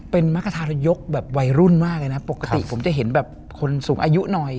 เป็นมรรคทานายกแบบวัยรุ่นมากเลยนะปกติผมจะเห็นแบบคนสูงอายุหน่อย